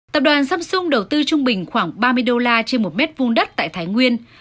tập đoàn samsung đầu tư trung bình khoảng ba mươi đô la trên một mét vung đất tại thái nguyên